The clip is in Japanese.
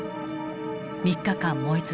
３日間燃え続け